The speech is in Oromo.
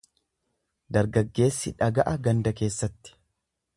Dargaggeessi dhaga'a ganda keessatti.